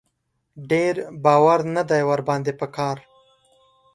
ډېر باور نه دی ور باندې په کار.